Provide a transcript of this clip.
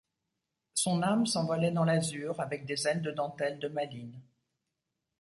Son âme s’envolait dans l’azur avec des ailes de dentelle de Malines.